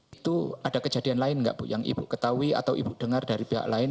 itu ada kejadian lain nggak bu yang ibu ketahui atau ibu dengar dari pihak lain